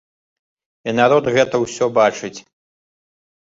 І народ гэта ўсё бачыць.